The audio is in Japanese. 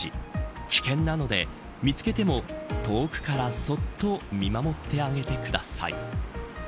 危険なので、見つけても遠くからそっと見守ってあげてください。